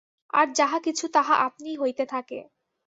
আর যাহা কিছু, তাহা আপনিই হইতে থাকে।